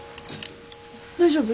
大丈夫？